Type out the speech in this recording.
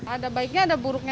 ada baiknya ada buruknya